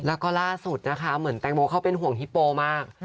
แล้วก็ล่าสุดนะคะเหมือนแตงโมเขาเป็นห่วงฮิปโปมาก